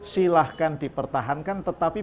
silahkan dipertahankan tetapi